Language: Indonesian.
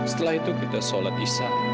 setelah itu kita sholat isyah